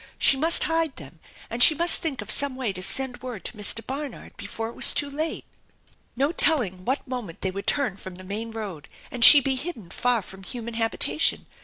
She must hide them, and she must think of some way to send word to Mr. Barnard before it was too late. No telling what moment they would turn from the main road and she be hidden far from human habitation.